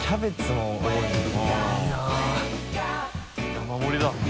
山盛りだ。